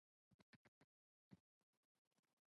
リズムにのります。